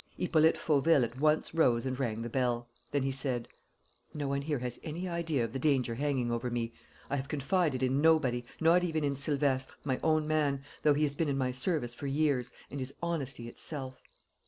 Hippolyte Fauville at once rose and rang the bell. Then he said: "No one here has any idea of the danger hanging over me. I have confided in nobody, not even in Silvestre, my own man, though he has been in my service for years and is honesty itself."